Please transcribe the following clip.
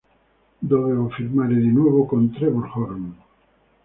Dovevo firmare di nuovo con Trevor Horn.